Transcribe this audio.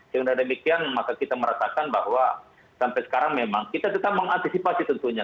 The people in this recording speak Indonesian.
dengan demikian maka kita merasakan bahwa sampai sekarang memang kita tetap mengantisipasi tentunya